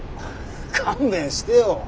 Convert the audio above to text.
勘弁してよ。